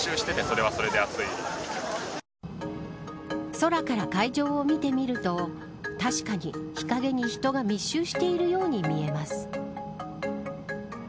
空から会場を見てみると確かに日陰に人が密集しているように見えます。